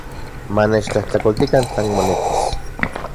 Manechtlajtlakoltikan tlan monekis.